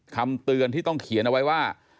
คำเตือนที่ต้องเขียนเอาไว้ว่า